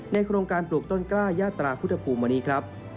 โครงการปลูกต้นกล้ายาตราพุทธภูมิวันนี้ครับ